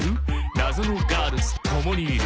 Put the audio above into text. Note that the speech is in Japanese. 「謎のガールズと共にいる？」